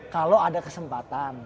kalau ada kesempatan